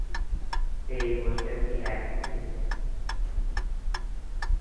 এই বইটা কি একঘেয়ে?